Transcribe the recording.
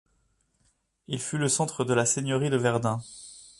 Il fut le centre de la seigneurie de Verdun.